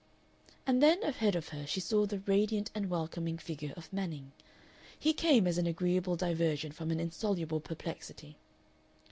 And then ahead of her she saw the radiant and welcoming figure of Manning. He came as an agreeable diversion from an insoluble perplexity.